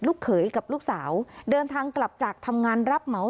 เขยกับลูกสาวเดินทางกลับจากทำงานรับเหมา